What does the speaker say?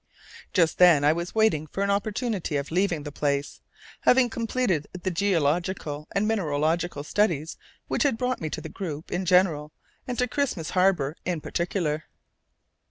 Just then I was waiting for an opportunity of leaving the place, having completed the geological and mineralogical studies which had brought me to the group in general and to Christmas Harbour in particular.